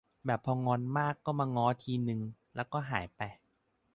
แบบพองอนมากก็มาง้อทีนึง แล้วก็หายไป